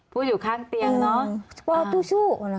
พูดอยู่ข้างเตียงพ่อตุ๊กชู่